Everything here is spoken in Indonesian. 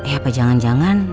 ya apa jangan jangan